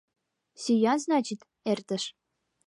Сӱан, значит, эртыш.